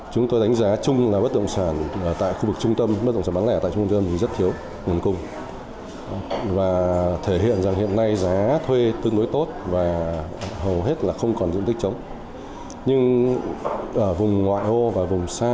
chúng tôi đánh giá chung là bất động sản bán lẻ tại khu vực trung tâm rất thiếu